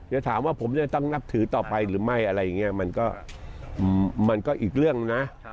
จะถามว่าผมจะต้องนับถือต่อไปหรือไม่อะไรอย่างนี้มันก็มันก็อีกเรื่องนะ